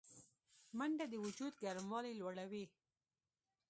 منډه د وجود ګرموالی لوړوي